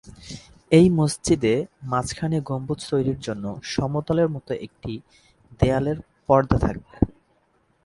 এই মসজিদে মাঝখানে গম্বুজ তৈরির জন্য সমতলের মত একটি দেয়ালের পর্দা থাকবে।